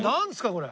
これ。